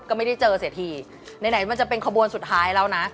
ก็ไม่ได้เจอเสียทีไหนมันจะเป็นขบวนสุดท้ายแล้วนะ